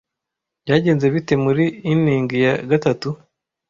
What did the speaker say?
Byagenze bite muri inning ya gatatu?